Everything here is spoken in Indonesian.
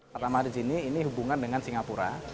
pertama di sini ini hubungan dengan singapura